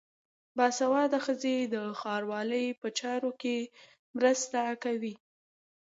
باسواده ښځې د ښاروالۍ په چارو کې مرسته کوي.